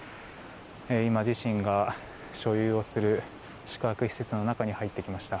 今自身が所有する宿泊施設の中に入っていきました。